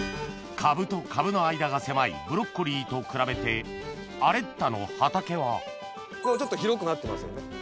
株と株の間が狭いブロッコリーと比べてアレッタの畑はちょっと広くなってますよね？